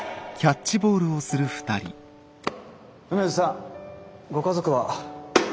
梅津さんご家族は？